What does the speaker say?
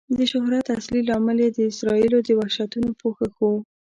د شهرت اصلي لامل یې د اسرائیلو د وحشتونو پوښښ و.